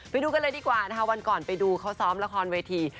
ไปดูกันเลยดีกว่านะคะวันก่อนไปดูเขาซ้อมละครเวที